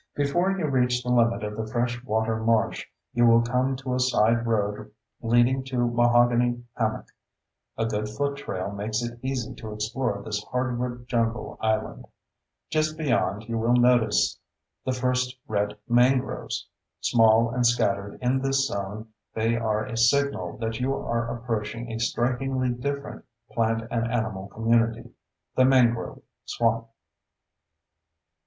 Before you reach the limit of the fresh water marsh you will come to a side road leading to Mahogany Hammock. (A good foot trail makes it easy to explore this hardwood jungle island.) Just beyond, you will notice the first red mangroves. Small and scattered in this zone, they are a signal that you are approaching a strikingly different plant and animal community, the mangrove swamp.